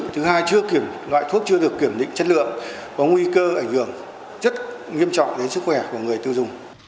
thứ hai chưa kiểm loại thuốc chưa được kiểm định chất lượng có nguy cơ ảnh hưởng rất nghiêm trọng đến sức khỏe của người tiêu dùng